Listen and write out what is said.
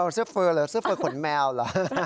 เสื้อเฟอร์เหรอเสื้อเฟอร์ขนแมวเหรอ